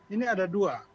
ini ada dua